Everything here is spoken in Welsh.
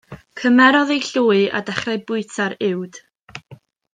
Cymerodd ei llwy a dechrau bwyta'r uwd.